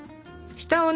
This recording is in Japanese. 下をね